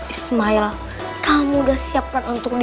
ismail kamu udah siapkan untuk di